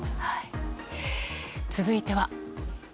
続いては。